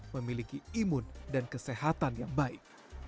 memiliki imun dan kesehatan yang baik